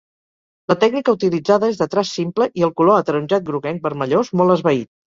La tècnica utilitzada és de traç simple i el color ataronjat groguenc-vermellós molt esvaït.